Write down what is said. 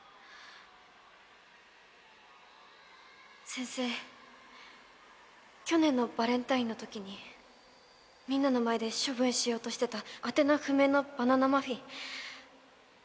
先生去年のバレンタインのときにみんなの前で処分しようとしてた宛名不明のバナナマフィン。